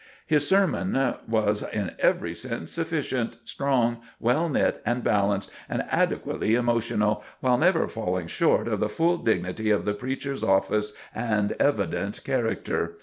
"His sermon was in every sense sufficient, strong, well knit and balanced, and adequately emotional, while never falling short of the full dignity of the preacher's office and evident character.